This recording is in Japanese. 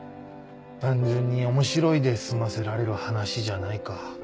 単純に面白いで済ませられる話じゃないか。